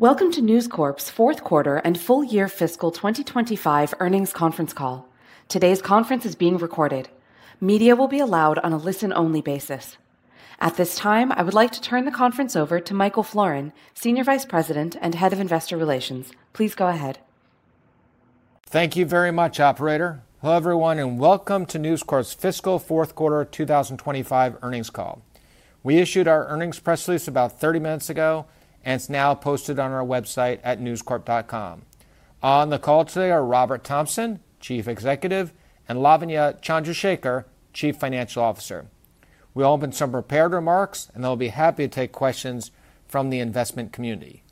Welcome to News Corp's Fourth Quarter and Full Year Fiscal 2025 Earnings Conference Call. Today's conference is being recorded. Media will be allowed on a listen only basis. At this time, I would like to turn the conference over to Michael Florin, Senior Vice President and Head of Investor Relations. Please go ahead. Thank you very much, operator. Hello everyone and welcome to News Corp's fiscal 4th quarter 2025 earnings call. We issued our earnings press release about 30 minutes ago and it's now posted on our website at newscorp.com. On the call today are Robert Thomson, Chief Executive, and Lavinia Chandrashekhar, Chief Financial Officer. We open some prepared remarks and I'll be happy to take questions from the investment community.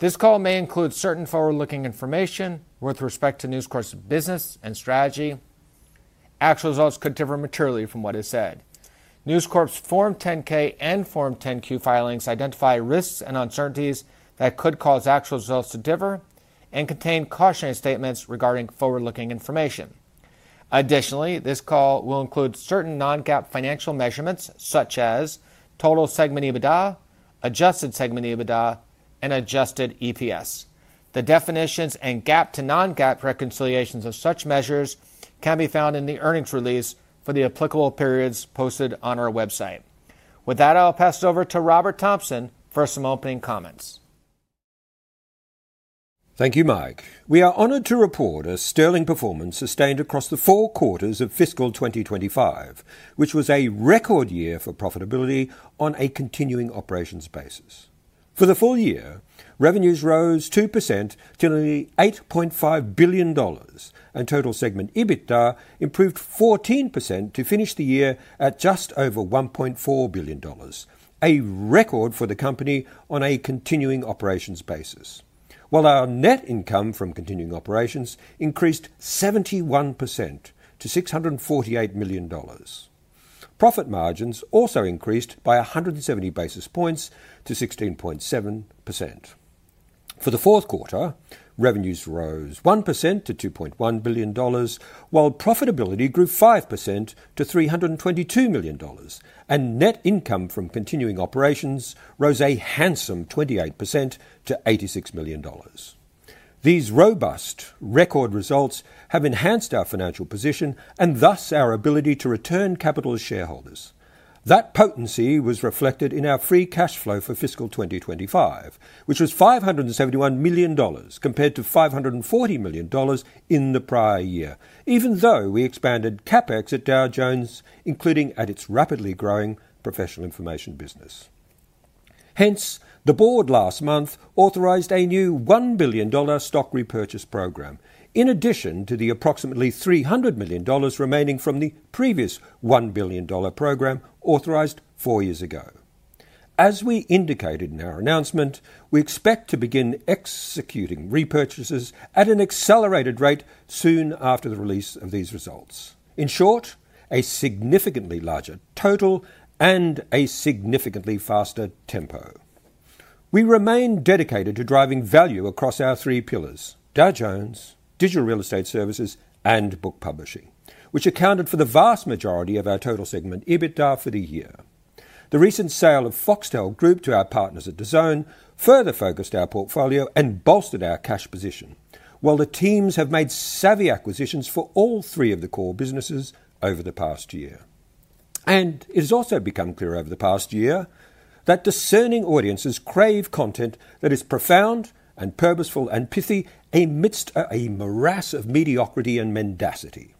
This call may include certain forward-looking information with respect to News Corp's business and strategy. Actual results could differ materially from what is said. News Corp's Form 10-K and Form 10-Q filings identify risks and uncertainties that could cause actual results to differ and contain cautionary statements regarding forward-looking information. Additionally, this call will include certain non-GAAP financial measurements such as total segment EBITDA, adjusted segment EBITDA, and adjusted EPS. The definitions and GAAP to non-GAAP reconciliations of such measures can be found in the earnings release for the applicable periods posted on our website. With that, I'll pass it over to Robert Thomson for some opening comments. Thank you, Mike. We are honored to report a sterling performance sustained across the four quarters of fiscal 2025, which was a record year for profitability on a continuing operations basis. For the full year, revenues rose 2% to nearly $8.5 billion and total segment EBITDA improved 14% to finish the year at just over $1.4 billion, a record for the company on a continuing operations basis. While our net income from continuing operations increased 71% to $648 million, profit margins also increased by 170 basis points to 16.7%. For the fourth quarter, revenues rose 1% to $2.1 billion while profitability grew 5% to $322 million and net income from continuing operations rose a handsome 28% to $86 million. These robust record results have enhanced our financial position and thus our ability to return capital to shareholders. That potency was reflected in our free cash flow for fiscal 2025, which was $571 million compared to $540 million in the prior year, even though we expanded CapEx at Dow Jones, including at its rapidly growing professional information business. Hence, the Board last month authorized a new $1 billion stock repurchase program, in addition to the approximately $300 million remaining from the previous $1 billion program authorized four years ago. As we indicated in our announcement, we expect to begin executing repurchases at an accelerated rate soon after the release of these results. In short, a significantly larger total and a significantly faster tempo. We remain dedicated to driving value across our three pillars: Dow Jones, digital real estate services, and book publishing, which accounted for the vast majority of our total segment EBITDA for the year. The recent sale of Foxtel Group to our partners at DAZN further focused our portfolio and bolstered our cash position, while the teams have made savvy acquisitions for all three of the core businesses over the past year. It has also become clear over the past year that discerning audiences crave content that is profound, purposeful, and pithy amidst a morass of mediocrity and mendacity.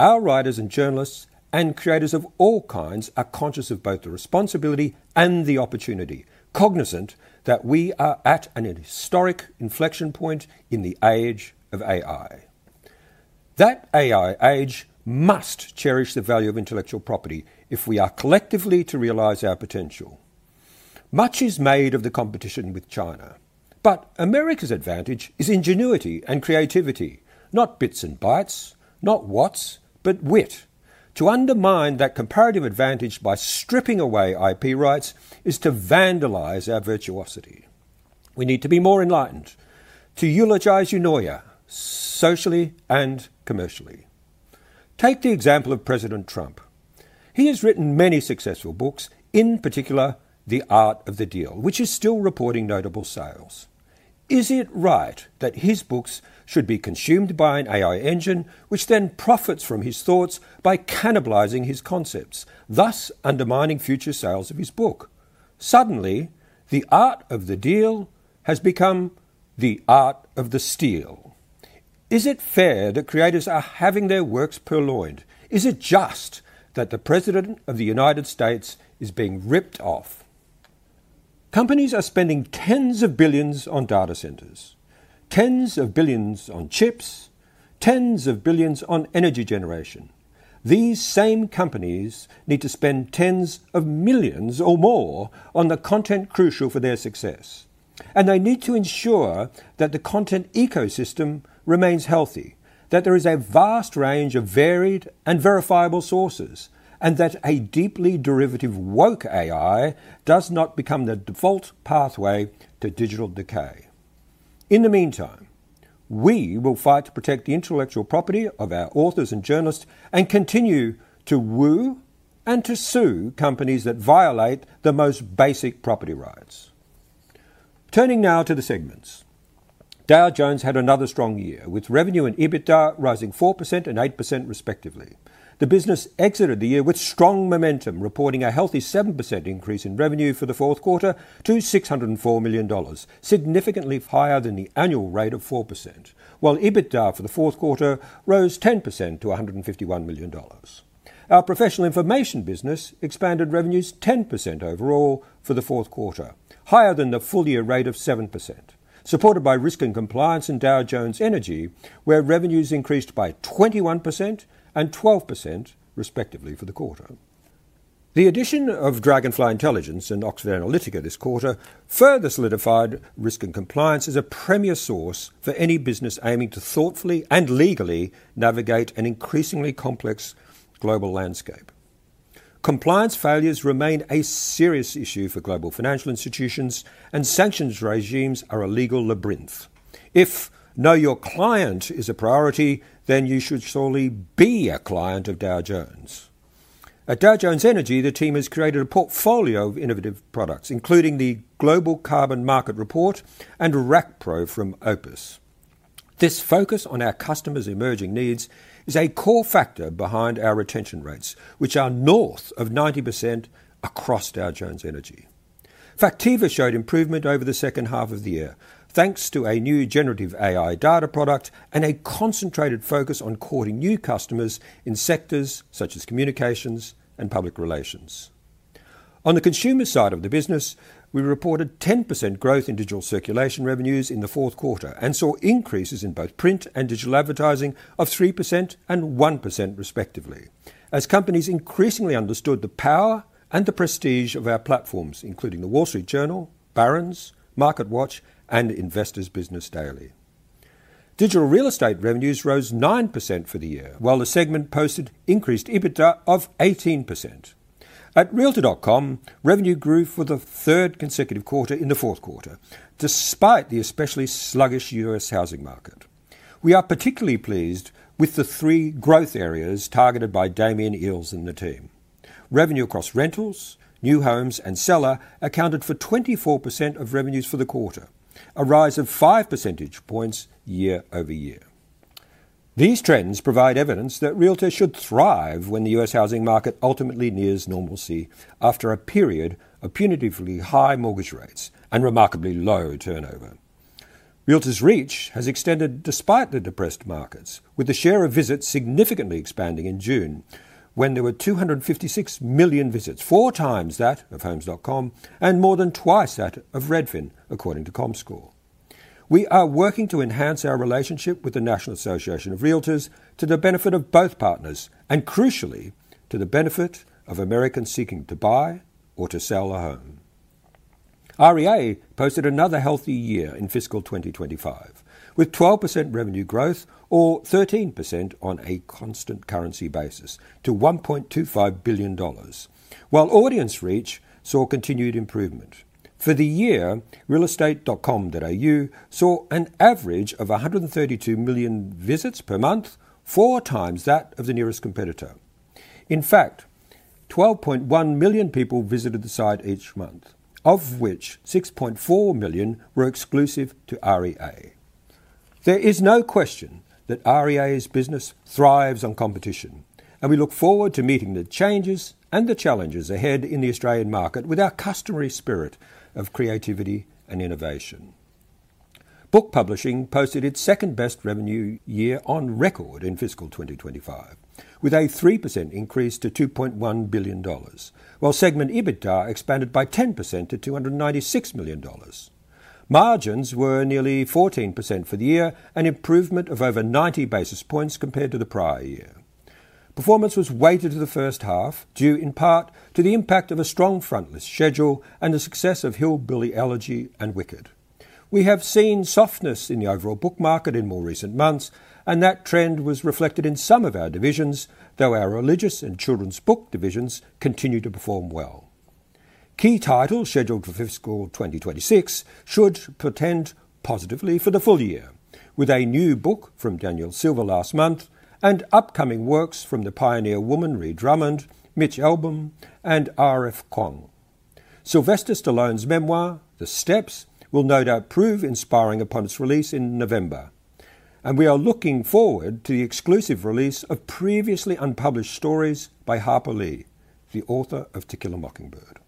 Our writers, journalists, and creators of all kinds are conscious of both the responsibility and the opportunity, cognizant that we are at an historic inflection point in the age of AI. That AI age must cherish the value of intellectual property if we are collectively to realize our potential. Much is made of the competition with China, but America's advantage is ingenuity and creativity, not bits and bytes, not what's but wit. To undermine that comparative advantage by stripping away IP rights is to vandalize our virtuosity. We need to be more enlightened to eulogize Eunoia socially and commercially. Take the example of President Trump. He has written many successful books, in particular The Art of the Deal, which is still reporting notable sales. Is it right that his books should be consumed by an AI engine, which then profits from his thoughts by cannibalizing his concepts, thus undermining future sales of his book? Suddenly The Art of the Deal has become the art of the steal. Is it fair that creators are having their works purloined? Is it just that the President of the United States is being ripped off? Companies are spending tens of billions on data centers, tens of billions on chips, tens of billions on energy generation. These same companies need to spend tens of millions or more on the content crucial for their success and they need to ensure that the content ecosystem remains healthy, that there is a vast range of varied and verifiable sources, and that a deeply derivative woke AI does not become the default pathway to digital decay. In the meantime, we will fight to protect the intellectual property of our authors and journalists and continue to woo and to sue companies that violate the most basic property rights. Turning now to the segments, Dow Jones had another strong year, with revenue and EBITDA rising 4% and 8% respectively. The business exited the year with strong momentum, reporting a healthy 7% increase in revenue for the fourth quarter to $604 million, significantly higher than the annual rate of 4%, while EBITDA for the fourth quarter rose 10% to $151 million. Our Professional Information business expanded revenues 10% overall for the fourth quarter, higher than the full y ear rate of 7%, supported by Risk and Compliance and Dow Jones Energy, where revenues increased by 21% and 12% respectively for the quarter. The addition of Dragonfly Intelligence and Oxford Analytica this quarter further solidified Risk and Compliance as a premier source for any business aiming to thoughtfully and legally navigate an increasingly complex global landscape. Compliance failures remain a serious issue for global financial institutions, and sanctions regimes are a legal labyrinth. If Know Your Client is a priority, then you should surely be a client of Dow Jones. At Dow Jones Energy, the team has created a portfolio of innovative products, including the Global Carbon Market Report and RAC Pro from OPIS. This focus on our customers' emerging needs is a core factor behind our retention rates, which are north of 90% across Dow Jones Energy. Factiva showed improvement over the second half of the year thanks to a new generative AI data product and a concentrated focus on courting new customers in sectors such as communications and public relations. On the consumer side of the business, we reported 10% growth in digital circulation revenues in the fourth quarter and saw increases in both print and digital advertising of 3% and 1%, respectively, as companies increasingly understood the power and the prestige of our platforms, including The Wall Street Journal, Barron's, MarketWatch, and Investor's Business Daily. Digital real estate revenues rose 9% for the year, while the segment posted increased EBITDA of 18%. At Realtor.com, revenue grew for the third consecutive quarter in the fourth quarter. Despite the especially sluggish U.S. housing market, we are particularly pleased with the three growth areas targeted by Damien Eales and the team. Revenue across rentals, new homes, and seller accounted for 24% of revenues for the quarter, a rise of 5 percentage points year-over-year. These trends provide evidence that REALTORS should thrive when the U.S. housing market ultimately nears normalcy after a period of punitively high mortgage rates and remarkably low turnover. REALTOR's reach has extended despite the depressed markets, with the share of visits significantly expanding in June when there were 256 million visits, four times that of Homes.com and more than twice that of Redfin, according to comScore. We are working to enhance our relationship with the National Association of REALTORS to the benefit of both partners and crucially, to the benefit of Americans seeking to buy or to sell a home. REA posted another healthy year in fiscal 2025 with 12% revenue growth, or 13% on a constant currency basis to $1.25 billion, while audience reach saw continued improvement. For the year, Realestate.com.au saw an average of 132 million visits per month, 4X that of the nearest competitor. In fact, 12.1 million people visited the site each month, of which 6.4 million were exclusive to REA. There is no question that REA's business thrives on competition, and we look forward to meeting the changes and the challenges ahead in the Australian market with our customary spirit of creativity and innovation. Book publishing posted its second best revenue year on record in fiscal 2025, with a 3% increase to $2.1 billion while segment Ibidar expanded by 10% to $296 million. Margins were nearly 14% for the year, an improvement of over 90 basis points compared to the prior year. Performance was weighted to the first half, due in part to the impact of a strong frontlist schedule and the success of Hillbilly Elegy and Wicked. We have seen softness in the overall book market in more recent months, and that trend was reflected in some of our divisions, though our religious and children's book divisions continue to perform well. Key titles scheduled for fiscal 2026 should portend positively for the full year, with a new book from Daniel Silver last month and upcoming works from The Pioneer Woman Ree Drummond, Mitch Albom and R.F Kuang. Sylvester Stallone's memoir, The Steps will no doubt prove inspiring upon its release in November. And we are looking forward to the exclusive release of previously unpublished stories by Harper Lee, the author of To Kill a Mockingbird.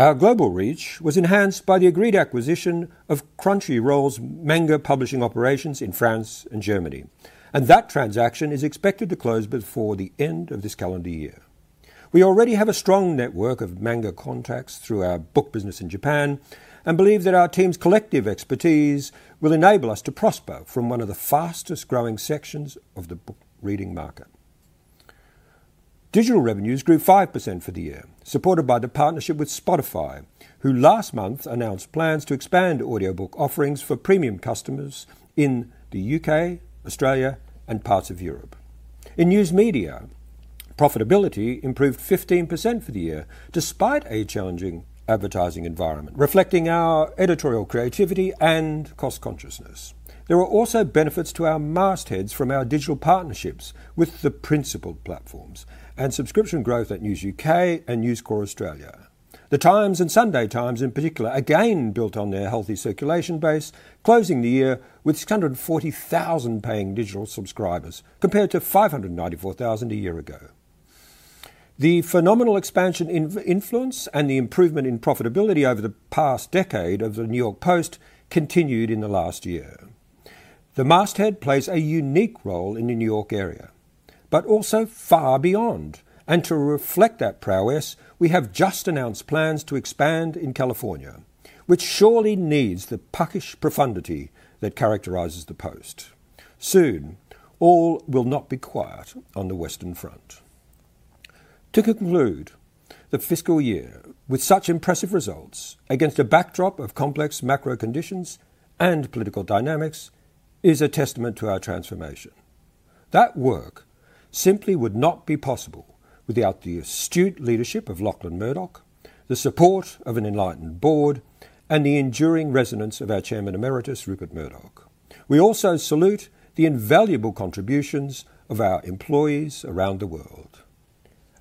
Our global reach was enhanced by the agreed acquisition of Crunchyroll's manga publishing operations in France and Germany, and that transaction is expected to close before the end of this calendar year. We already have a strong network of manga contracts through our Book Publishing business in Japan and believe that our team's collective expertise will enable us to prosper from one of the fastest growing sections of the book reading market. Digital revenues grew 5% for the year, supported by the partnership with Spotify, who last month announced plans to expand audiobook offerings for premium customers in the U.K., Australia, and parts of Europe. In News Media, profitability improved 15% for the year, despite a challenging advertising environment reflecting our editorial creativity and cost consciousness. There are also benefits to our mastheads from our digital partnerships with the principled platforms and subscription growth at News U.K. and News Corp Australia. The Times and Sunday Times in particular, again built on their healthy circulation base, closing the year with 640,000 paying digital subscribers, compared to 594,000 a year ago. The phenomenal expansion in influence and the improvement in profitability over the past decade of the New York Post continued in the last year. The masthead plays a unique role in the New York area, but also far beyond and to reflect that prowess, we have just announced plans to expand in California, which surely needs the puckish profundity that characterizes the post. Soon all will not be quiet on the Western Front. To conclude the fiscal year with such impressive results against a backdrop of complex macro conditions and political dynamics is a testament to our transformation. That work simply would not be possible without the astute leadership of Lachlan Murdoch, the support of an enlightened board, and the enduring resonance of our Chairman Emeritus, Rupert Murdoch. We also salute the invaluable contributions of our employees around the world.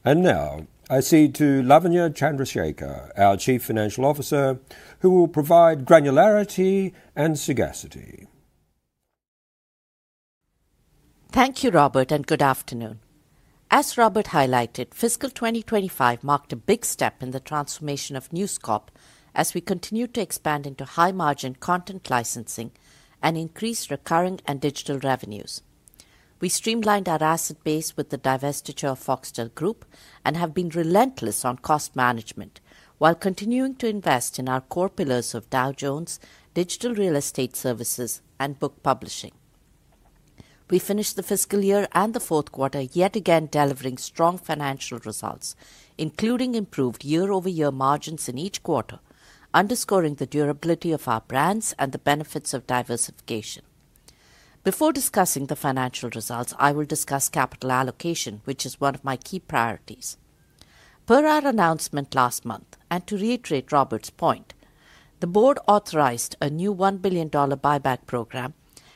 And now I cede to Lavanya Chandrashekar, our Chief Financial Officer, who will provide granularity and sagacity. Thank you, Robert, and good afternoon. As Robert highlighted, fiscal 2025 marked a big step in the transformation of News Corp. As we continue to expand into high-margin content licensing and increase recurring and digital revenues, we streamlined our asset base with the divestiture of Foxtel Group and have been relentless on cost management while continuing to invest in our core pillars of Dow Jones, Digital Real Estate Services, and Book Publishing. We finished the fiscal year and the fourth quarter yet again delivering strong financial results, including improved margins in each quarter, underscoring the durability of our brands and the benefits of diversification. Before discussing the financial results, I will discuss capital allocation, which is one of my key priorities. Per our announcement last month. To reiterate Robert's point, the Board authorized a new $1 billion buyback program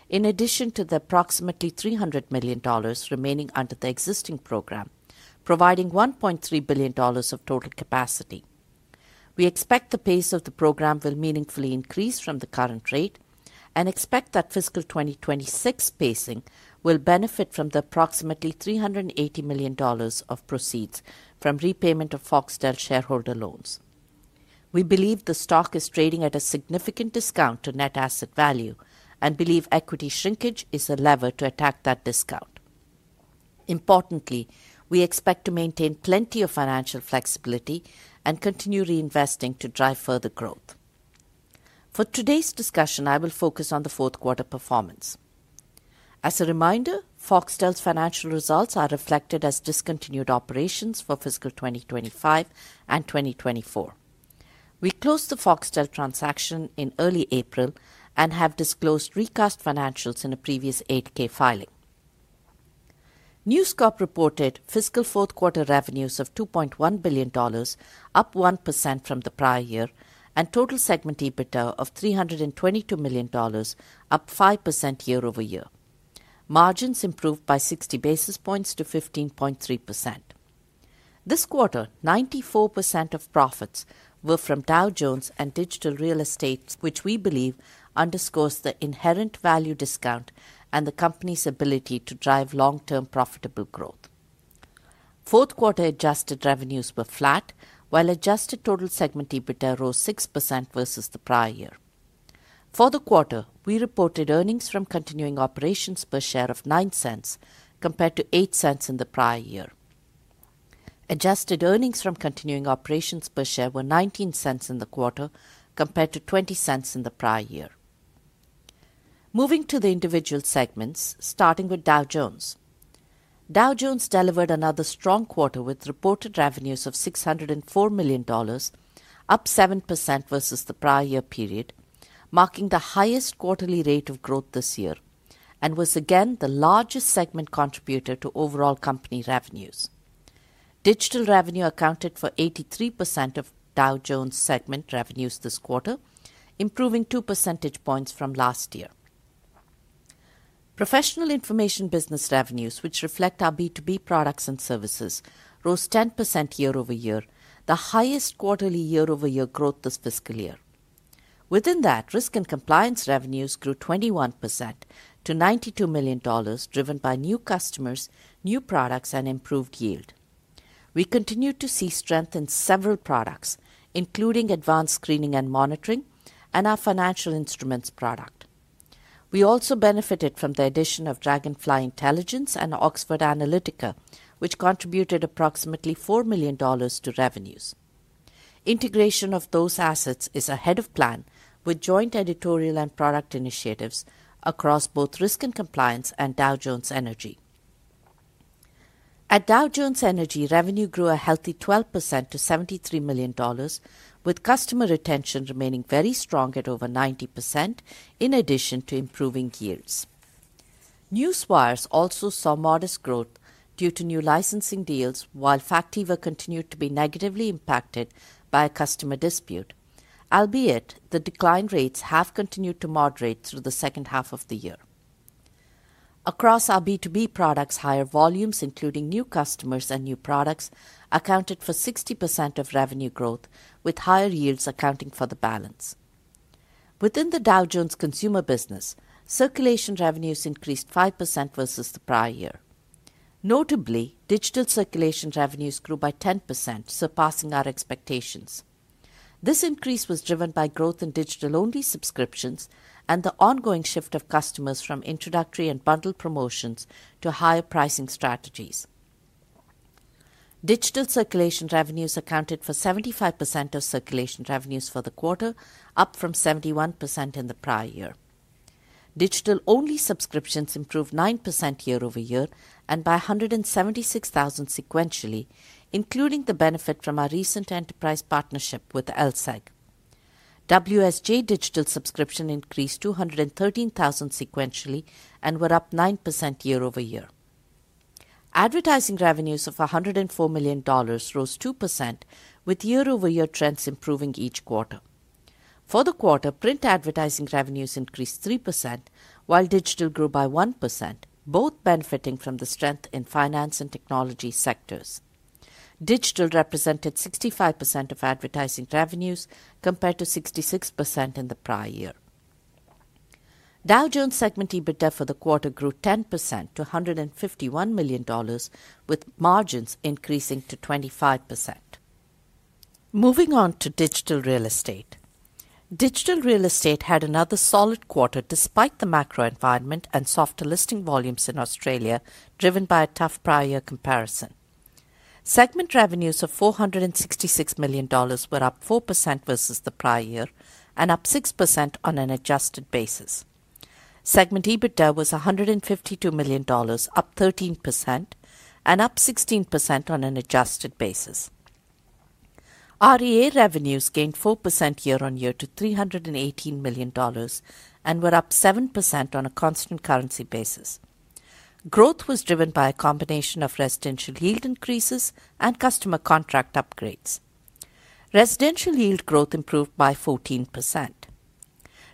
in addition to the approximately $300 million remaining under the existing program, providing $1.3 billion of total capacity. We expect the pace of the program will meaningfully increase from the current rate and expect that fiscal 2026 pacing will benefit from the approximately $380 million of proceeds from repayment of Foxtel shareholder loans. We believe the stock is trading at a significant discount to net asset value and believe equity shrinkage is a lever to attack that discount. Importantly, we expect to maintain plenty of financial flexibility and continue reinvesting to drive further growth. For today's discussion, I will focus on the fourth quarter performance. As a reminder, Foxtel's financial results are reflected as discontinued operations for fiscal 2025 and 2024. We closed the Foxtel transaction in early April and have disclosed recast financials in a previous 8K filing. News Corp reported fiscal fourth quarter revenues of $2.1 billion, up 1% from the prior year, and total segment EBITDA of $322 million, up 5% year-over-year. Margins improved by 60 basis points to 15.3%. This quarter 94% of profits were from Dow Jones and Digital Real Estate, which we believe underscores the inherent value discount and the company's ability to drive long-term profitable growth. Fourth quarter adjusted revenues were flat while adjusted total segment EBITDA rose 6% versus the prior year. For the quarter, we reported earnings from continuing operations per share of $0.09 compared to $0.08 in the prior year. Adjusted earnings from continuing operations per share were $0.19 in the quarter compared to $0.20 in the prior year. Moving to the individual segments, starting with Dow Jones. Dow Jones delivered another strong quarter with reported revenues of $604 million, up 7% versus the prior year period, marking the highest quarterly rate of growth this year, and was again the largest segment contributor to overall company revenues. Digital revenue accounted for 83% of Dow Jones segment revenues this quarter, improving 2 percentage points from last year. Professional information business revenues, which reflect our B2B products and services, rose 10% year-over-year, the highest quarterly year-over-year growth this fiscal year. Within that, Risk and Compliance revenues grew 21% to $92 million, driven by new customers, new products, and improved yield. We continued to see strength in several products, including advanced screening and monitoring and our financial instruments product. We also benefited from the addition of Dragonfly Intelligence and Oxford Analytica, which contributed approximately $4 million to revenues. Integration of those assets is ahead of plan with joint editorial and product initiatives across both Risk and Compliance and Dow Jones Energy. At Dow Jones Energy, revenue grew a healthy 12% to $73,000,000 with customer retention remaining very strong at over 90% in addition to improving yields. Newswire's also saw modest growth due to new licensing deals, while Factiva continued to be negatively impacted by a customer dispute, albeit the decline rates have continued to moderate through the second half of the year. Across our B2B products, higher volumes, including new customers and new products, accounted for 60% of revenue growth, with higher yields accounting for the balance. Within the Dow Jones consumer business, circulation revenues increased 5% versus the prior year. Notably, digital circulation revenues grew by 10%, surpassing our expectations. This increase was driven by growth in digital only subscriptions and the ongoing shift of customers from introductory and bundled promotions to higher pricing strategies. Digital circulation revenues accounted for 75% of circulation revenues for the quarter, up from 71% in the prior year. Digital only subscriptions improved 9% year-over-year and by 176,000 sequentially, including the benefit from our recent enterprise partnership with LSEG. WSJ Digital subscription increased 213,000 sequentially and were up 9% year-over-year. Advertising revenues of $104 million rose 2%, with year-over-year trends improving each quarter. For the quarter, print advertising revenues increased 3%, while digital grew by 1%, both benefiting from the strength in finance and technology sectors. Digital represented 65% of advertising revenues compared to 66% in the prior year. Dow Jones segment EBITDA for the quarter grew 10% to $151 million with margins increasing to 25%. Moving on to Digital Real Estate. Digital real estate had another solid quarter despite the macro environment and softer listing volumes in Australia, driven by a tough prior year comparison. Segment revenues of $466 million were up 4% versus the prior year and up 6% on an adjusted basis. Segment EBITDA was $152 million up 13% and up 16% on an adjusted basis. REA revenues gained 4% year on year to $318 million and were up 7% on a constant currency basis. Growth was driven by a combination of residential yield increases and customer contract upgrades. Residential yield growth improved by 14%.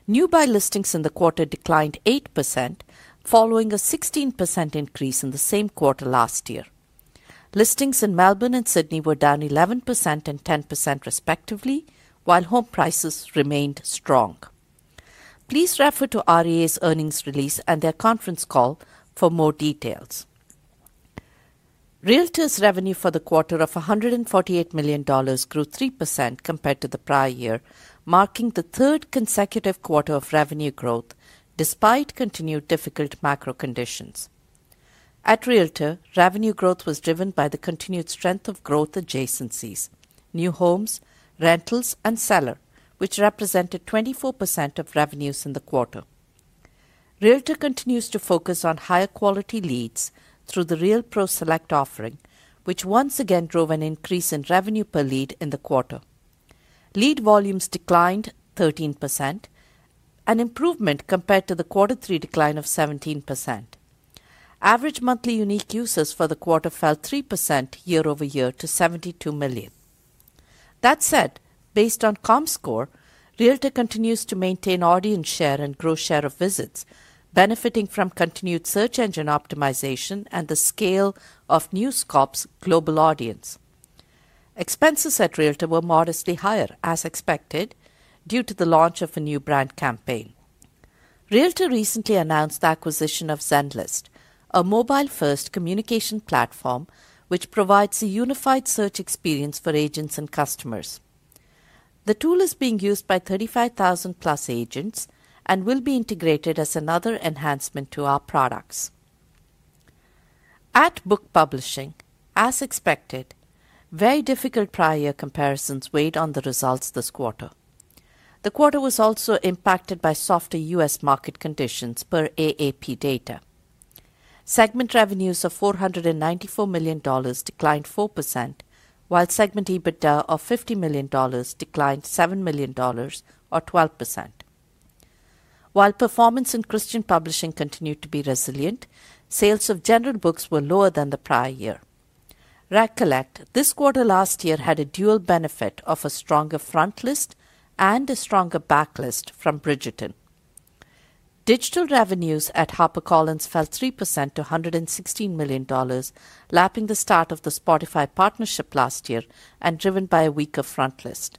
New Buy listings in the quarter declined 8%, following a 16% increase in the same quarter last year. Listings in Melbourne and Sydney were down 11% and 10%, respectively, while home prices remained strong. Please refer to REA's earnings release and their conference call for more details. REALTORS revenue for the quarter of $148 million grew 3% compared to the prior year, marking the third consecutive quarter of revenue growth despite continued difficult macro conditions. At REALTOR, revenue growth was driven by the continued strength of growth adjacencies, new homes, rentals and seller, which represented 24% of revenues in the quarter. REALTOR continues to focus on higher-quality leads through the RealPro Select offering, which once again drove an increase in revenue per lead in the quarter. Lead volumes declined 13%, an improvement compared to the quarter three decline of 17%. Average monthly unique users for the quarter fell 3% year-over-year to 72,000,000. That said, based on Comscore, REALTOR continues to maintain audience share and grow share of visits, benefiting from continued search engine optimization and the scale of News Corp's global audience. Expenses at REALTOR were modestly higher, as expected, due to the launch of a new brand campaign. REALTOR recently announced the acquisition of Zenlist, a mobile first communication platform which provides a unified search experience for agents and customers. The tool is being used by 35,000+ agents and will be integrated as another enhancement to our products. At Book Publishing, as expected, very difficult prior year comparisons weighed on the results this quarter. The quarter was also impacted by softer U.S. market conditions per AAP data. Segment revenues of $494 million declined 4%, while segment EBITDA of $50 million declined $7 million or 12%. While performance in Christian Publishing continued to be resilient, sales of general books were lower than the prior year. Recollect, this quarter last year had a dual benefit of a stronger front list and a stronger backlist from Bridgerton. Digital revenues at HarperCollins fell 3% to $116 million lapping the start of the Spotify partnership last year and driven by a weaker frontlist.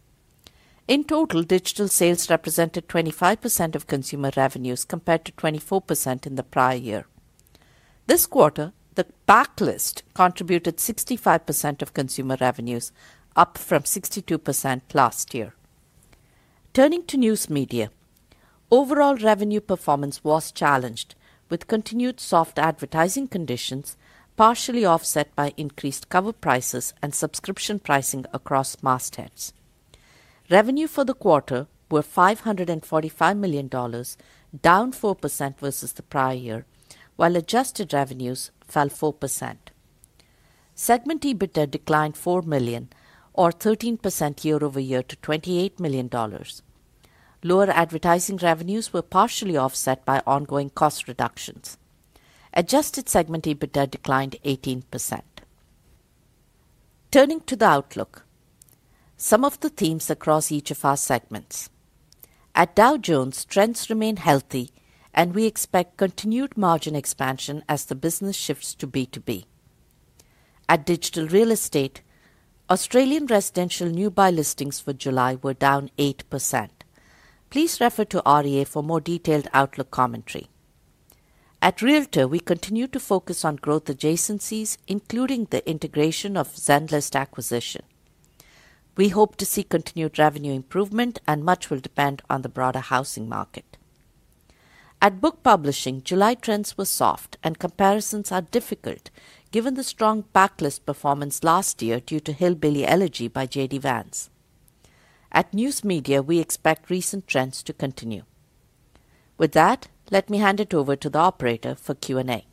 In total, digital sales represented 25% of consumer revenues compared to 24% in the prior year. This quarter, the backlist contributed 65% of consumer revenues, up from 62% last year. Turning to News Media. Overall revenue performance was challenged with continued soft advertising conditions, partially offset by increased cover prices and subscription pricing across mastheads. Revenue for the quarter were $545 million down 4% versus the prior year, while adjusted revenues fell 4%. Segment EBITDA declined 4 million or 13% year-over-year to $28 million Lower advertising revenues were partially offset by ongoing cost reductions. Adjusted segment EBITDA declined 18%. Turning to the outlook. Some of the themes across each of our segments. At Dow Jones, trends remain healthy and we expect continued margin expansion as the business shifts to B2B. At Digital Real Estate, Australian residential new buy listings for July were down 8%. Please refer to REA for more detailed outlook commentary. At REALTOR, we continue to focus on growth adjacencies, including the integration of Zenlist acquisition. We hope to see continued revenue improvement, and much will depend on the broader housing market. At Book Publishing, July trends were soft, and comparisons are difficult given the strong back list performance last year due to Hillbilly Elegy by JD Vans. At News Media, we expect recent trends to continue. With that, let me hand it over to the operator for Q and A.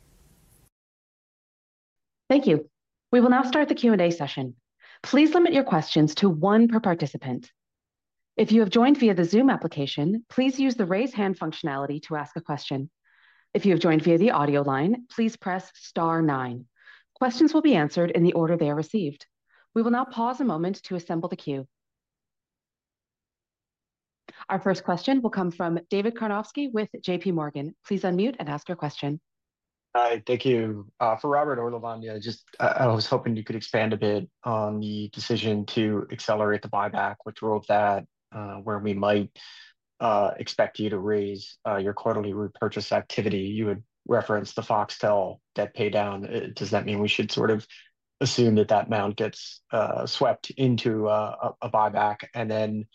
Thank you. We will now start the Q&A session. Please limit your questions to one per participant. If you have joined via the Zoom application, please use the raise hand functionality to ask a question. If you have joined via the audio line, please press star nine. Questions will be answered in the order they are received. We will now pause a moment to assemble the queue. Our first question will come from David Karnovsky with JPMorgan. Please unmute and ask your question. Hi. Thank you. For Robert or Lavanya, I just I was hoping you could expand a bit on the decision to accelerate the buyback, which drove that where we might expect you to raise your quarterly repurchase activity. You had referenced the Foxtel debt paydown. Does that mean we should sort of assume that that amount gets swept into a buyback? And then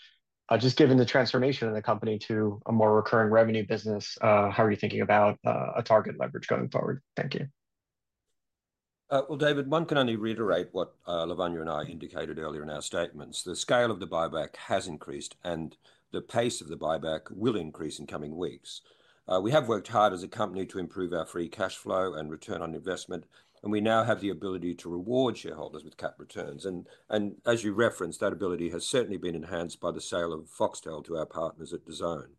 just given the transformation of the company to a more recurring revenue business, how are you thinking about a target leverage going forward? Thank you. David, one can only reiterate what Lavanya and I indicated earlier in our statements. The scale of the buyback has increased, and the pace of the buyback will increase in coming weeks. We have worked hard as a company to improve our free cash flow and return on investment, and we now have the ability to reward shareholders with capped returns. And as you referenced, that ability has certainly been enhanced by the sale of Foxtel to our partners at the zone.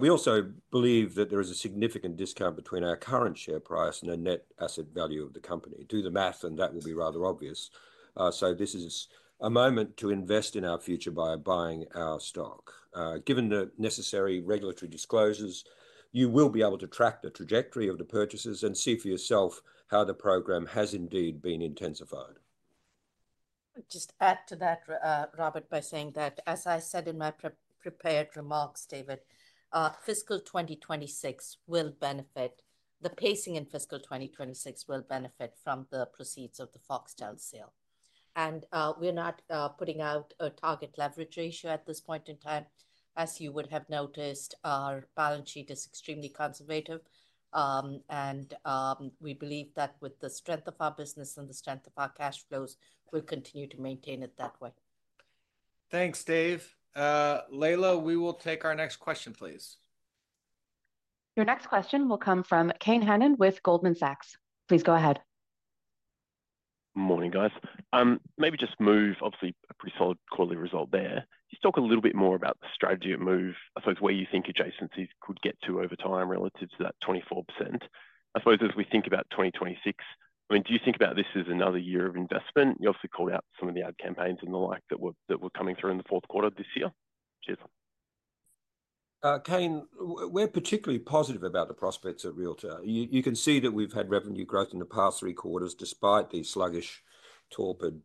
We also believe that there is a significant discount between our current share price and the net asset value of the company. Do the math, and that will be rather obvious. So this is a moment to invest in our future by buying our stock. Given the necessary regulatory disclosures, you will be able to track the trajectory of the purchases and see for yourself how the program has indeed been intensified. Just add to that, Robert, by saying that, as I said in my prep prepared remarks, David, fiscal 2026 will benefit the pacing in fiscal 2026 will benefit from the proceeds of the Foxtel sale. And, we're not, putting out a target leverage ratio at this point in time. As you would have noticed, our balance sheet is extremely conservative, and, we believe that with the strength of our business and the strength of our cash flows, we'll continue to maintain it that way. Thanks, Dave, we will take our next question, please. Your next question will come from Kane Hannan with Goldman Sachs. Please go ahead. Good morning, guys. Maybe just Move, obviously, a pretty solid quarterly result there. Can just talk a little bit more about the strategy of Move? I suppose where you think adjacencies could get to over time relative to that 24%? I suppose as we think about 2026, I do mean, you think about this as another year of investment? You obviously called out some of the ad campaigns and the like that were coming through in the fourth quarter of this year. Cheers. Kane. we're positive about the prospects of REALTOR. You can see that we've had revenue growth in the past three quarters despite the sluggish, torpid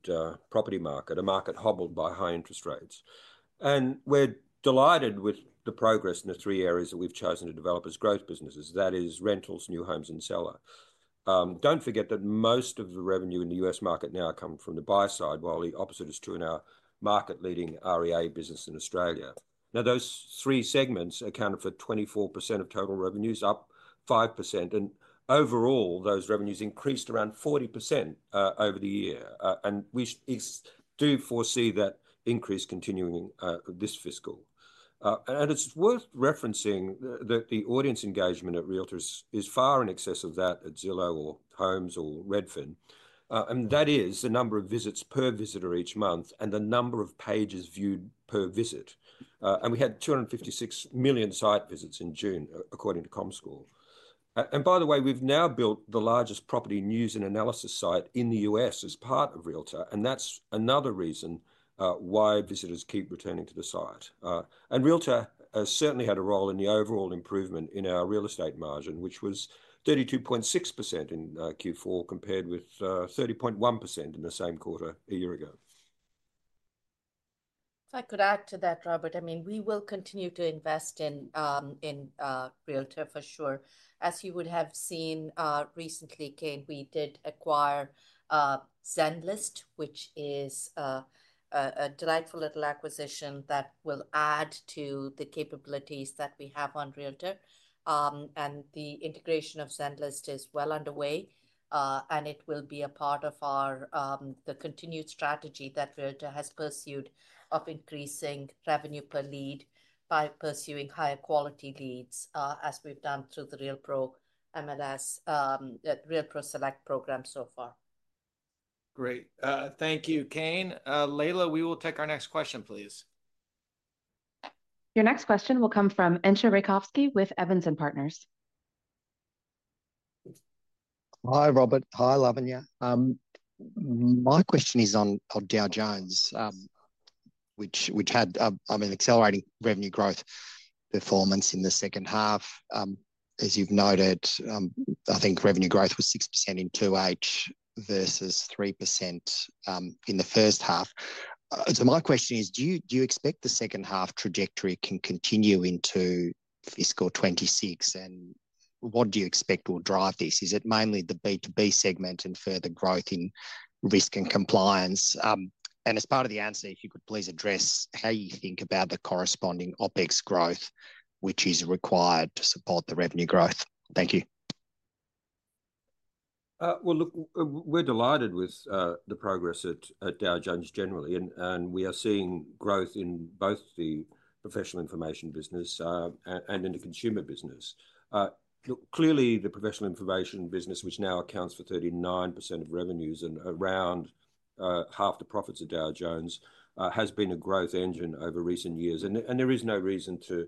property market, a market hobbled by high interest rates. And we're delighted with the progress in the three areas that we've chosen to develop as growth businesses. That is rentals, new homes, and seller. Don't forget that most of the revenue in The U.S. market now come from the buy side, while the opposite is true in our market leading REA business in Australia. Those three segments accounted for 24% of total revenues, up 5%, and overall those revenues increased around 40% over the year. We do foresee that increase continuing this fiscal. It's worth referencing that the audience engagement at REALTORS is far in excess of that at Zillow or Holmes or Redfin. And that is the number of visits per visitor each month and the number of pages viewed per visit. We had 256 million site visits in June according to Comscore. And by the way, we've now built the largest property news and analysis site in The U.S. as part of REALTOR, and that's another reason why visitors keep returning to the site. And REALTOR has certainly had a role in the overall improvement in our real estate margin, which was 32.6% in Q4 compared with 30.1% in the same quarter a year ago. If I could add to that, Robert, I mean, we will continue to invest in in REALTOR for sure. As you would have seen recently, Kate, we did acquire Zenlist, which is a delightful little acquisition that will add to the capabilities that we have on REALTOR. And the integration of Zenlist is well underway, and it will be a part of our the continued strategy that REALTOR has pursued of increasing revenue per lead by pursuing higher quality leads, as we've done through the RealPro MLS, that RealPro Select program so far. Great, thank you, Kane. Leila, we will take our next question, please. Your next question will come from Entcho Raykovski with Evans & Partners. Hi Robert. Hi Lavanya. My question is on Dow Jones, which had accelerating revenue growth performance in the second half, as you've noted. I think revenue growth was 6% in 2H versus 3% in the first half. My question is, do you expect the second half trajectory can continue into fiscal 2026, and what do you expect will drive this? Is it mainly the B2B segment and further growth in Risk and Compliance? As part of the answer, if you could please address how you think about the corresponding OpEx growth which is required to support the revenue growth. Thank you. We're delighted with the progress at at Dow Jones generally, and and we are seeing growth in both the professional information business and in the consumer business. Clearly, the professional information business, which now accounts for 39% of revenues and around half the profits of Dow Jones, has been a growth engine over recent years. And there is no reason to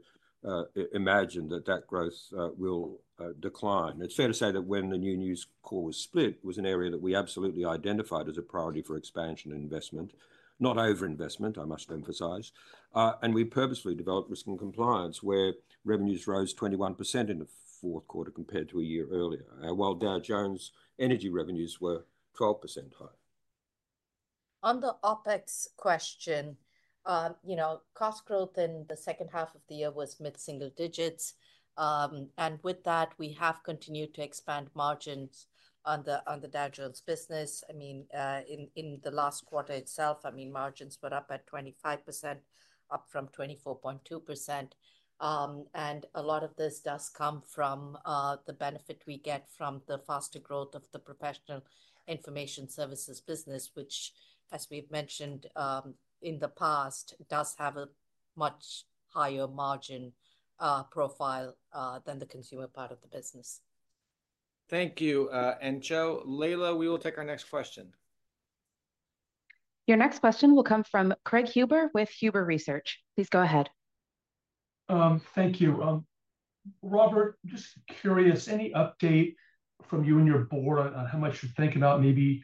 imagine that that growth will decline. It's fair to say that when the new news call was split, was an area that we absolutely identified as a priority for expansion investment, not over-investment, I must emphasize. And we purposely developed risk and compliance where revenues rose 21% in the fourth quarter compared to a year earlier, while Dow Jones Energy revenues were 12% higher. On the OpEx question, you know, cost growth in the second half of the year was mid single digits. And with that, we have continued to expand margins on the on the digital's business. I mean, in in the last quarter itself, I mean, margins were up at 25%, up from 24.2%. And a lot of this does come from, the benefit we get from the faster growth of the professional information services business, which as we've mentioned, in the past, does have a much higher margin profile than the consumer part of the business. Thank you. Entcho, Leila, we will take our next question. Your next question will come from Craig Huber with Huber Research. Please go ahead. Thank you. Robert, just curious, any update from you and your board on how much you're thinking about maybe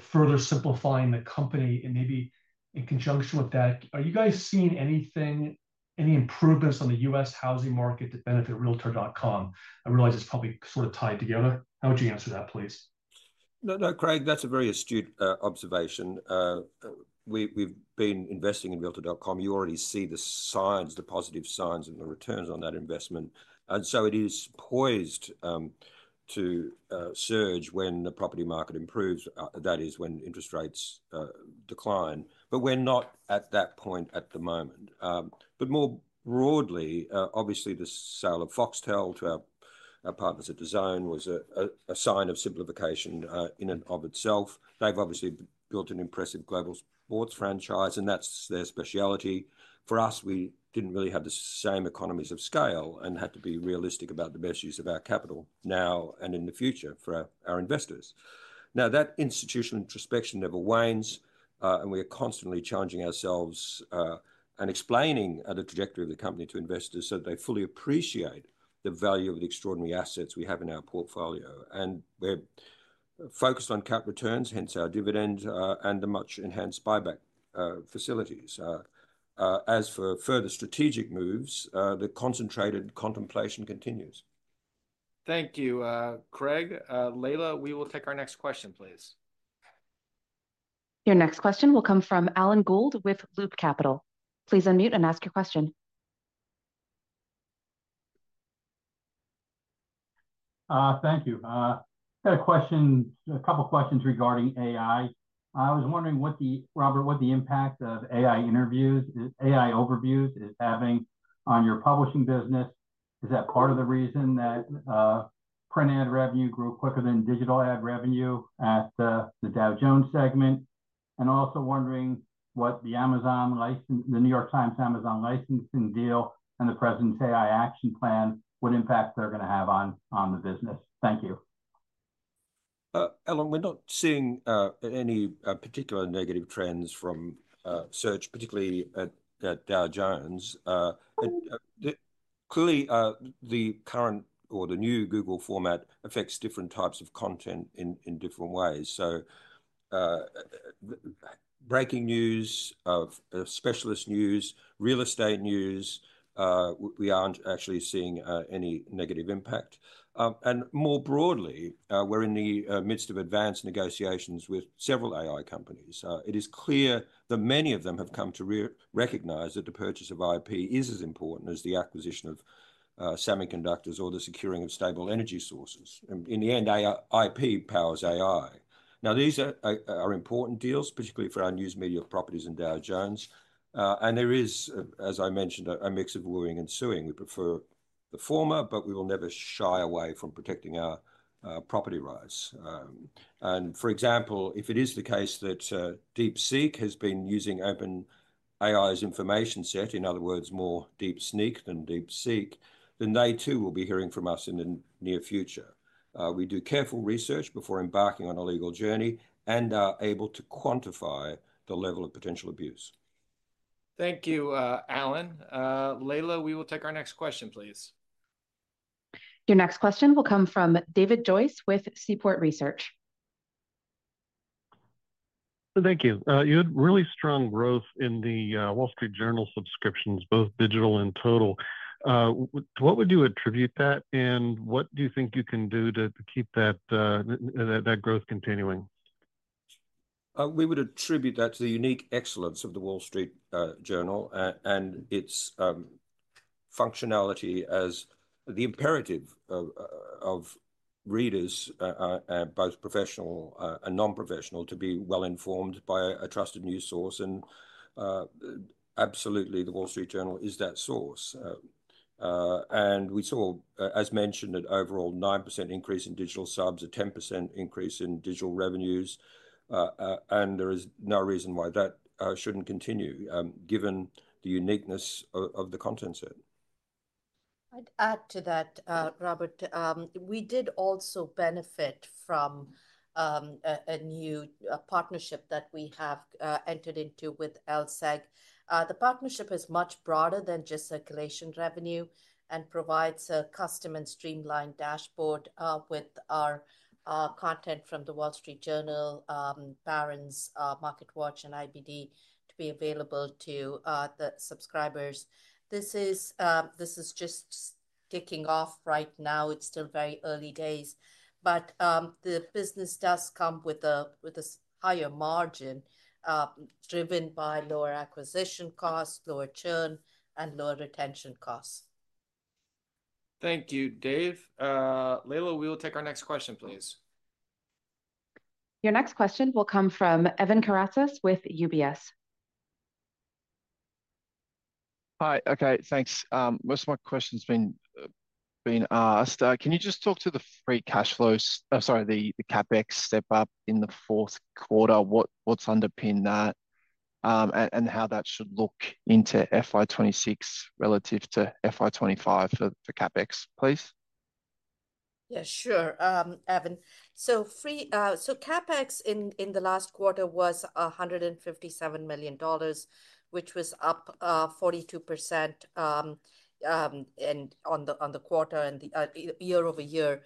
further simplifying the company? Maybe in conjunction with that, are you guys seeing anything, any improvements on the U.S. housing market to benefit Realtor.com? I realize it's probably sort of tied together. How would you answer that, please? No. No, Craig. That's a very astute observation. We we've been investing in Realtor.com. You already see the signs, the positive signs, the returns on that investment. It is poised to surge when the property market improves, that is, when interest rates decline. We're not at that point at the moment. More broadly, obviously, the sale of Foxtel Group to our partners at DAZN was a sign of simplification in and of itself. They've obviously built an impressive global sports franchise and that's their specialty. For us, we didn't really have the same economies of scale and had to be realistic about the best use of our capital now and in the future for our investors. That institutional introspection never wanes and we are constantly challenging ourselves and explaining the trajectory of the company to investors so they fully appreciate the value of the extraordinary assets we have in our portfolio and we're focused on cap returns, hence our dividend and the much enhanced buyback facilities. As for further strategic moves, the concentrated contemplation continues. Thank you, Craig. Leila, we will take our next question, please. Your next question will come from Alan Gould with Loop Capital. Please unmute and ask your question. Thank you. I had a question a couple questions regarding AI. I was wondering what the Robert, what the impact of AI interviews AI overviews is having on your publishing business. Is that part of the reason that print ad revenue grew quicker than digital ad revenue at the Dow Jones segment? And also wondering what the Amazon license the New York Times Amazon licensing deal and the President's AI action plan, what impact they're gonna have on on the business? Thank you. We're not seeing any particular negative trends from search, particularly at Dow Jones. Clearly, the current or the new Google format affects different types of content in different ways. Breaking news, specialist news, real estate news, we aren't actually seeing any negative impact. More broadly, we're in the midst of advanced negotiations with several AI companies. It is clear that many of them have come to recognize that the purchase of intellectual property is as important as the acquisition of semiconductors or the securing of stable energy sources. In the end, intellectual property powers AI. These are important deals, particularly for our news media properties in Dow Jones. There is, as I mentioned, a mix of wooing and suing. We prefer the former, but we will never shy away from protecting our property rights. For example, if it is the case that DeepSeek has been using OpenAI's information set, in other words, more Deep Sneak than DeepSeek, they too will be hearing from us in the near future. We do careful research before embarking on a legal journey and are able to quantify the level of potential abuse. Thank you, Alan. Leila, we will take our next question, please. Your next question will come from David Joyce with Seaport Research. Thank you. You had really strong growth in the Wall Street Journal subscriptions, both digital and total. What would you attribute that to, and what do you think you can do to improve it? That growth continuing? We would attribute that to the unique excellence of The Wall Street Journal and its functionality as the imperative of readers, both professional and non professional, to be well informed by a trusted news source. Absolutely, The Wall Street Journal is that source. We saw, as mentioned, an overall 9% increase in digital subs, a 10% increase in digital revenues. There is no reason why that shouldn't continue given the uniqueness of the content set. I'd add to that, Robert, we did also benefit from a new partnership that we have entered into with LSEG. The partnership is much broader than just circulation revenue and provides a custom and streamlined dashboard with our content from The Wall Street Journal, Barron's, MarketWatch and IBD to be available to the subscribers. This is just kicking off right now. It's still very early days, but the business does come with a higher margin driven by lower acquisition costs, lower churn and lower retention costs. Thank you, Dave. Leila, we will take our next question, please. Your next question will come from Evan Karatzas with UBS. Hi.Okay, thanks. Most of my question's been asked. Can you just talk to the free cash flow, sorry, the CapEx step up in the fourth quarter? What's underpinned that and how that should look into FY2026 relative to FY2025 for CapEx, please. Yeah, sure Evan. CapEx in the last quarter was $157 million, which was up 42% on the quarter and year-over-year.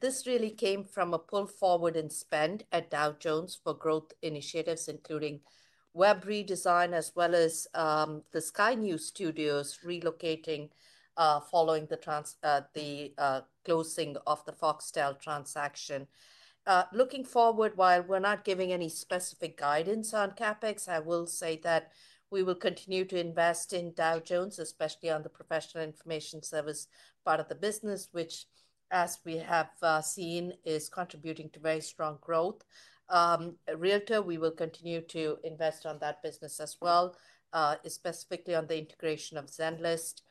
This really came from a pull forward in spend at Dow Jones for growth initiatives, including web redesign as well as the Sky News studios relocating following the closing of the Foxtel Group transaction. Looking forward, while we're not giving any specific guidance on CapEx, I will say that we will continue to invest in Dow Jones, especially on the professional information service part of the business, which as we have seen is contributing to very strong growth. REALTOR—we will continue to invest on that business as well, specifically on the integration of Zenlist.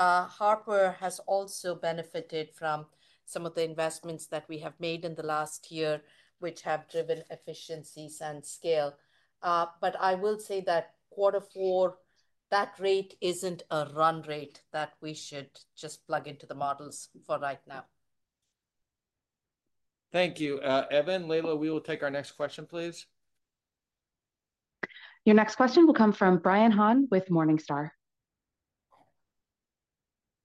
Harper has also benefited from some of the investments that we have made in the last year, which have driven efficiencies and scale. I will say that quarter four, that rate isn't a run rate that we should just plug into the models for right now. Thank you, Evan. Leila, we will take our next question, please. Your next question will come from Brian Han with Morningstar.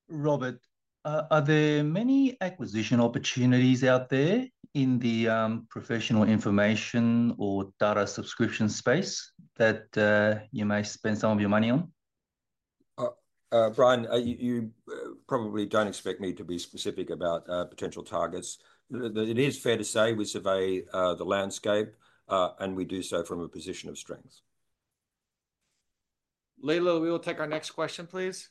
Robert, are there many acquisition opportunities out there in the professional information or data subscription space that you might spend some of your money on? Brian, you probably don't expect me to be specific about potential targets. It is fair to say we survey the landscape, and we do so from a position of strength. Leila, we will take our next question, please.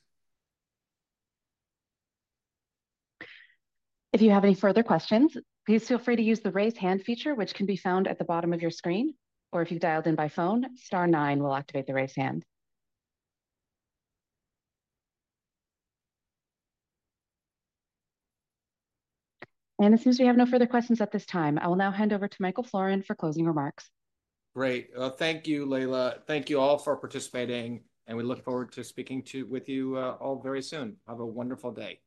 If you have any further questions, please feel free to use the Raise hand feature, which can be found at the bottom of your screen. If you've dialed in by phone, Star 9 will activate the raised hand. It seems we have no further questions at this time. I will now hand over to Michael Florin for closing remarks. Great. Thank you, Leila. Thank you all for participating, and we look forward to speaking with you all very soon. Have a wonderful day. Take care.